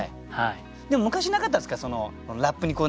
でも昔なかったですか？